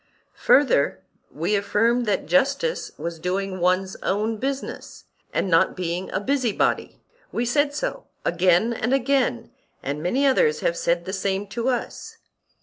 Further, we affirmed that justice was doing one's own business, and not being a busybody; we said so again and again, and many others have said the same to us.